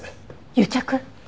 癒着？